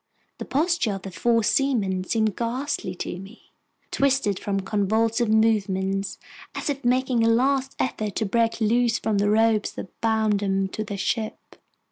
The postures of the four seamen seemed ghastly to me, twisted from convulsive movements, as if making a last effort to break loose from the ropes that bound them to their ship.